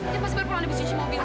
dia pas berpulang lebih cuci mobil